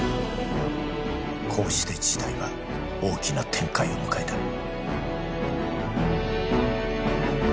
こうして事態は大きな展開を迎えた